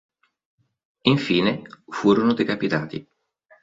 Infine furono decapitati.